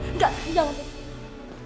enggak enggak pak raina